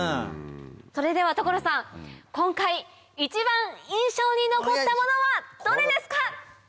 それでは所さん今回一番印象に残ったものはどれですか？